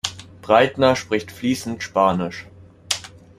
Breitner spricht fließend Spanisch.